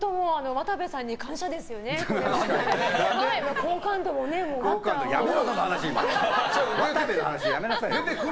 渡部の話はやめなさい！